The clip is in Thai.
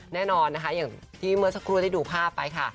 แน่นอนนะคะอย่างที่เมื่อสักครู่ได้ดูภาพไปค่ะ